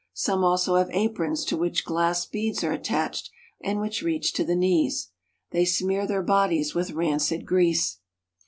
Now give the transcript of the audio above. Some also have aprons to which gSass beads are attached, and which reach to the knees. They smear their bodies with rancid grease.